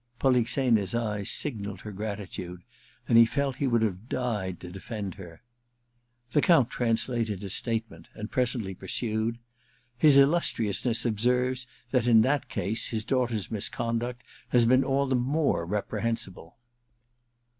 Polixena's eyes signalled her gratitude, and he felt he would have died to defend her. The Count translated his statement, and presently pursued :* His lUustriousness observes that, in that case, his daughter's misconduct has been all the more reprehensible.'